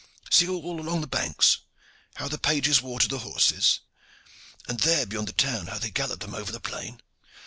See all along the banks how the pages water the horses, and there beyond the town how they gallop them over the plain!